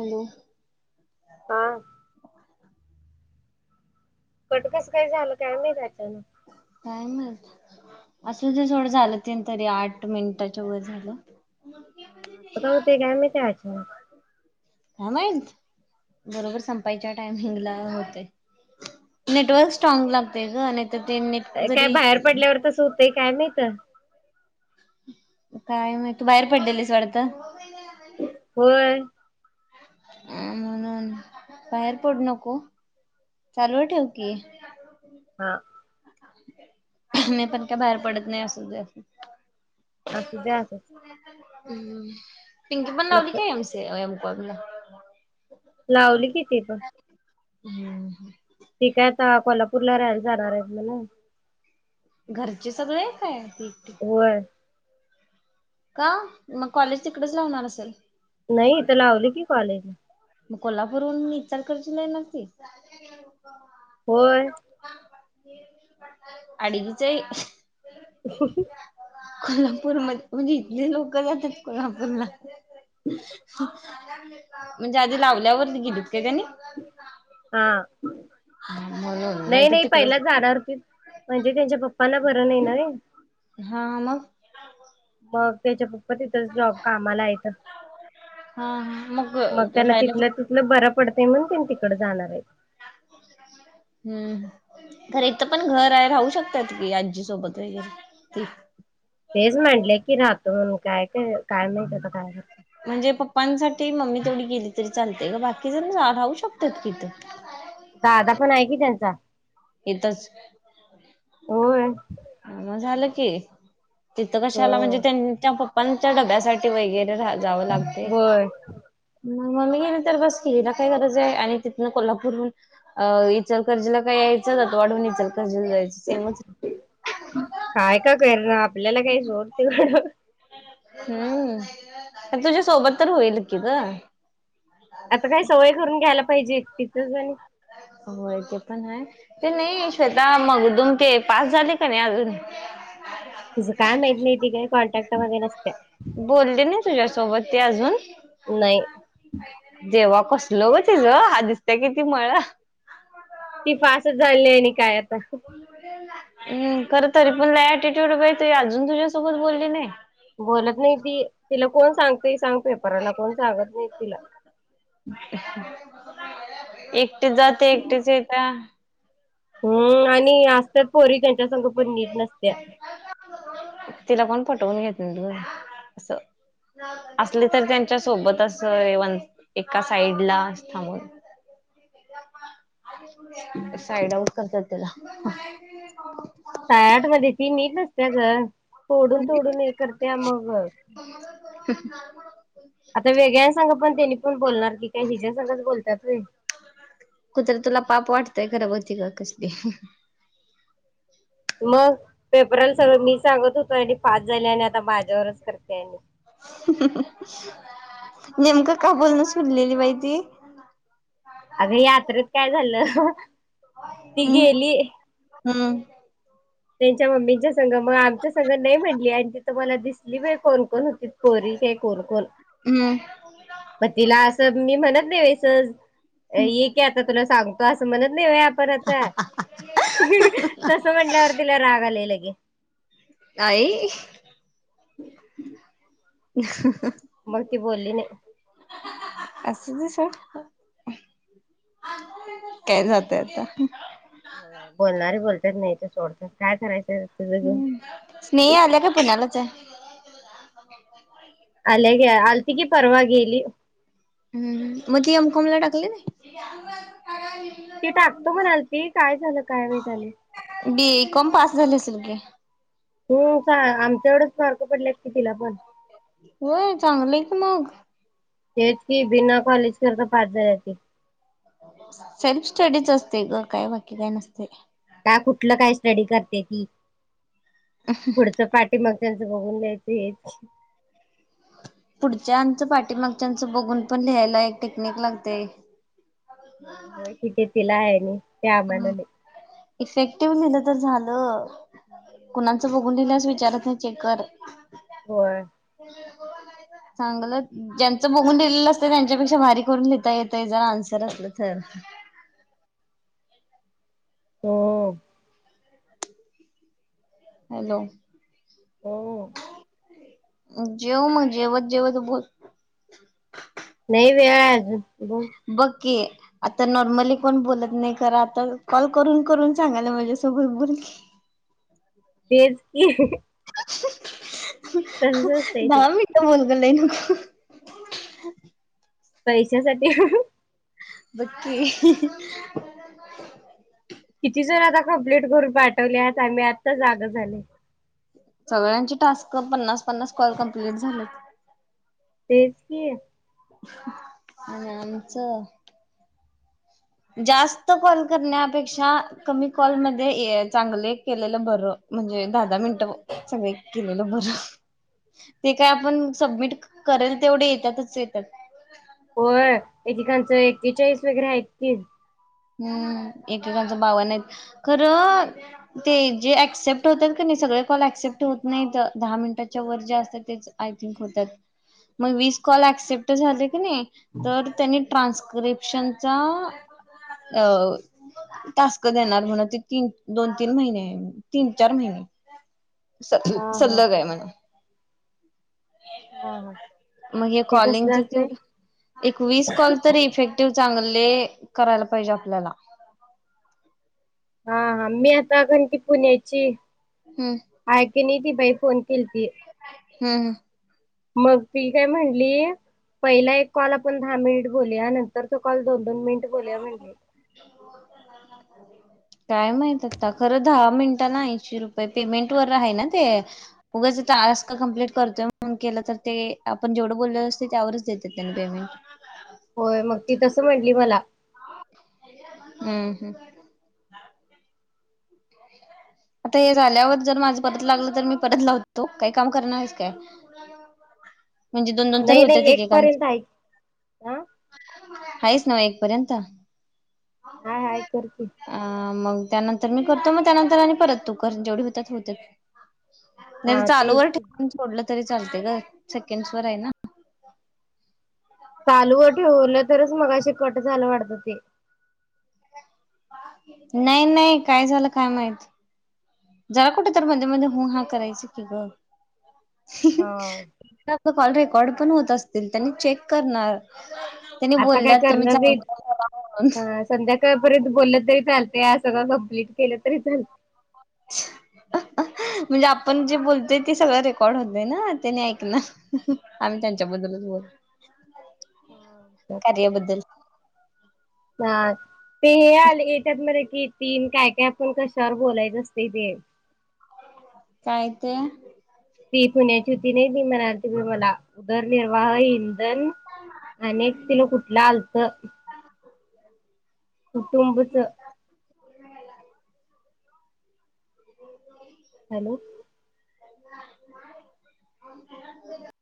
Hello हा cut कस काय झालं काय मी त्याच्यानं कायमच असं ज सथोडं झालं तन तरी आठ मिनिटाच्या वर झालं. ता हो ते का म त्याच. नाही माहित बरोबर संपायच्या टायमिंग ला होते. नेटवर्क स्ट्रॉग लागतय ग नाही तर ते नेट. काय जरी बाहेर पडल्यावर तस होतंय काय नाहीत. काय नाही तू बाहेर पडलेलीस वाडतं. होय अ म्हणून बाहेर पडू नको चालूव ठेव की हा मी पण का बाहेर पडत नाही अस असु द्या अस पिंकी पण लावली मग कायमम कला लावली किती प हम् ठीक आहे आता कोल्हापूरला राहायला जाणार आहे मला घरचे सगळे काय हो आहे का मग कॉलेज तिकडेच लावणार असेल नाही तर लावली की कॉलेज मग कोल्हापूरहून विचार करते नाही नाती [unintelligible] होय अडिकचे ह कोल्हापूर म म्हणजे इथले लोक जातात कोल्हापूरला म्हणजे आधी लावल्यावरती गेलीत काय त्यानी हा म्हणून नाही तर नाही तिकडच पहिला जाणारती म्हणजे त्यांच्या पप्पांना बरं नाही ना रे हा ममग मग तेच्या तिथ जॉब कामाला येत हा हा मग त्यांना राहायला तिथलं बरा पडतय म्हण त्यां तिकडडे जाणार आहेत हम्म खर इथं पण घर आहे राहू शकतात की आजी सोबत ती तेच म्हांडले की राहतो काय काय काय नाही करता काय म्हणजे पप्पांसाठी मम्मी तेथवडीी गेली तरी चालते ग बाकी जण राहू शकतात किथं दादा पण आहे की त्यांचा इथच हो मग झालं की तिथं कशा आला म्हणजे हो त्यां पप्पांच्या डब्यासाठी वगैरे जावं लागते होय. मग म मी ना तर बस किला काय गरज आहे आणि तिथून कोल्हापूरून अ इचलकर्जीला काय यायचंचात वाढवून इचलकर्जीला जायचं सेमच काय का कर ना आपल्याला काही सोडते घडं हम्म तुझ्या सोबत तर होईल कि ग आता काय सवय करून घ्यायला पाहिजे एक तीचच आणि होय ते पण ह ते नाही श्वेता मग दुम ते पास झाले का नाही अजून तुझ काय माहित नाही त काय कॉन्ट्रॅक्ट मध्ये नसत्या. बोलले ना तुझ्यासोबत ते अजून. नाही. जेव्हा कसल ग तिज आदित्य किती मया ती फासच झाली आहे आणि काय आता. हम् खरं तरी पण लय अटिट्यूड बा तु अजून तुझ्यासोबत बोलली नाही. बोलत नाही ती तिला कोण सांगते सांग पेपराला कोण सांगत नाही तिला. एकटेच जात एकटेच येत. हम्म आणि असत्याात पोरी त्यांच्या संगपण नीट नसत्या. तिला कोण पटवून घेत ना तू असं. असली तर त्यांच्या सोबत असव एका साईड ला थांबून. [inaudible] साईड आउट करतात तिला. सायाठ मध्ये ती नीट नसत्या ग तोडून तोडून हे करत्या मग. [unintelligible] आता वेगळ्या संग पण त्यांनी पण बोलणार की काय हिज्या संगच बोलतात होय. कुत्र तुला पाप वाटतंय खर बग की कसली मग पेपरला सगळं मी सांगत होतो आणि पास झाले आणि आता माझ्यावरच करते आणि नेमकं का बोलणं सुडलेली माहिती. अगं यात्रेत काय झालं ती हम्म गेली. हम्म. त्यांच्या मम्मीच्या संग मग आमच्या संग नाही म्हटली आणि तिथं मला दिसली म्ह कोण कोण होती पोरी काय कोण कोण. हम्. प तिला असं मी म्हणत नाहीस ये की आता तुला सांगतो अस म्हणत नाही पर तस म्हटल्यावर. तिला रागाला लगे आई ह मग ती बोलली नाही. असूदे सोड. काय जातं आता. होय बोलणारे बोलतच नाही तर सोडत काय करायचं. तुझं घेऊन हम्म स्नेही आल्या काय पुण्यालाच आहे?? आल्या ग्या आलती की परवा गेली. हम् मग ती यामकोम टाकली ना ती टाकतो म्हणालती काय झालं काय वेळ झाली. बीकम पास झाले सलगी. तू का आमच्या एवढंच मारक पडलेत की तिला पण होय चांगलं आहे का मग. तेच की बिना कॉलेज करता पास झाल्या ते. सेल्फ स्टडीच असते ग काय बाकी काय नसते. का कुठलं काय स्टडी करते ती पुढचं पाठ मग त्याच बघून जायेत य पुढच्याचं पाठीमागच्यांचं बघून पण लिहायला एक टेक्निक लागते. हो हो किती तिला आहे नि त्या आम्हानाने इफेक्टिव्ह ललं तर झालं कुणा बघून दिेल्यास विचारत नाही चेकर होय. चांगलं ज्यांचं बघून दिेहिलेलं असत त्यांच्यापेक्षा भारी करून लिहिता येतय जर आन्सर असलं तर होम. हॅलो. हम्म जेव मग जेवत, जेवत बोल. नाही वज ब बक्की आता नॉर्मली कोण बोलत नाही करा आता कॉल करून करून सांगायला माझ्यासोबत बोल तेच की तसच असतंय ते दहा मिठ बोल ग लाय नको पैशासाठी बक्की [unintelligible] किती जण आता कमप्लीट करून पाठवले आम्ही आत्ता जाग झाले. सगळ्यांची टास्क पन्नास पन्नास कॉल कम्प्लीट झाले. तेज की आहे. आणि आमचं जास्त कॉल करण्यापेक्षा कमी कॉलमध्येध्ये चांगले केलेलं बरं म्हणजे दहा- दहा मिनटं. सगं एक केलेलं बरं ते काय आपण सबमिट करेल तेवढे येतातच येतात. होय एकेकांचं एकेचाळीस वगैरे आहेत की हम्म एकेकांच भावना खरं ते जे ऍक्सेप्ट होतात का नाही सगळे कॉल ऍक्सेप्ट होत नाहीत दहा मिनिटाच्या वर जे असतात तेच आय थिंक होतात मग विस कॉल ऍक्सेप्ट झाले की नाही? तर त्यांनी ट्रान्स्क्रिप्शनचा अ तास्क देणार म्हणा ते तीन, दोन, तीन महिने तीन, चार महिने स हा हा सल्लग आहे म्हण हा हा मग हे ते कॉलिंगच कसलं असते तेवढ एक वीस कॉल तरी इफेक्टिव चांगले करायला पाहिजे आपल्याला हा हा मी आता कारण की पुण्याची हम्म अके नी त बाई फोन केल्ती हम् हम मग ती काय म्हणली पहिला एक कॉल आपण दहा मिनिट बोलूया नंतर तो कॉल दोन, दोन मिनिट बोलया म्हणजे हो. काय माहित आता खरं दहा मिनिटांना ऐंशी रुपये पेमेंट वर आहे ना ते? उगाच त आ का कम्प्लीट करतोय म केलं तर ते आपण जेवढं बोललेलं असते त्यावरच देतात त्यांनी पेमेंट. होय मग ती तसं म्हटली मला हम् हम् आता हे झाल्यावर जर माझं परत लागलं तर मी परत लावतो. काही काम करणार आहेस काय? [unintelligible] म्हणजे दोन, दोन तर नाही होत नाही एक एकेकां पर्यंत आहे की. हा आहेच नव एक पर्यंत? हाय हाय करते. अ मग त्यानंतर मी करतो मग त्यानंतर आणि परत तू जेवढे होत होते. नाही तर हा चालू तेच व की ठिकण सोडलं तरी चालते ग सेकंडस वर आहे ना? चालूव ठेवरलं तरच मगा श कट झालं वाटतं ते. नाही नाही काय झालं काय माहित? जरा कुठे तर मध्ये मध्ये ह हा करायच की ग हो कॉल रेकॉर्ड पण होत असतील त्यांनी चेक करणार त्यांनी आता काय बोलल्यात तुम्ही करणार चांग नाहीत. म्हणून अ संध्याकाळपर्यंत बोललं तरी चालत सगळं कंप्लीट केलं तरी चालत [unintelligible] म्हणजे आपण जे बोलतोय ते सगळं रेकॉर्ड होते ना त्यानी ऐकण आम्ही त्यांच्याबद्दलच बोल हा कार बद्दल हा ते हे आले येतत मध्ये कि तीन काय काय आपण कशावर बोलायचं असते ते काय ते ती पुण्याची होती नाही बी म्हणा तही मला उदरनिर्वाह इंधन आणि एक तिला कुठलं आलत कुठुंबच हॅलो [unintelligible]